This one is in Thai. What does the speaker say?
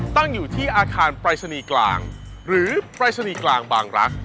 ตั้งอยู่ที่อาคารปรายศนีย์กลางหรือปรายศนีย์กลางบางรัก